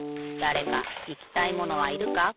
だれかいきたいものはいるか？